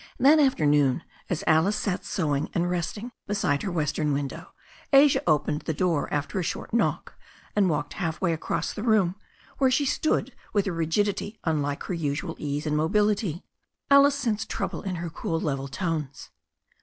That afternoon, as Alice sat sewing and resting beside her western window, Asia opened her door after a short knock, and walked half way across the room, where she stood with a rigidity unlike her usual ease and mobility. Alice sensed trouble in her cool level tones.